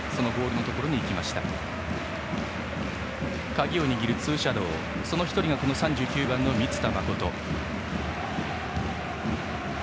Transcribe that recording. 鍵を握るツーシャドーの１人が３９番の満田誠。